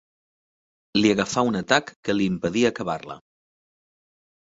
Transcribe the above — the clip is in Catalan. Li agafà un atac que li impedí acabar-la.